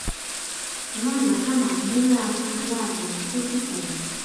Mana hamaq nunaqa allaapam utikan.